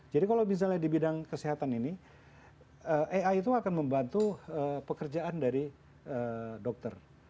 jadi kalau misalnya di bidang kesehatan ini ai itu akan membantu pekerjaan dari dokter